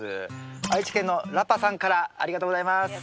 愛知県のらぱさんからありがとうございます。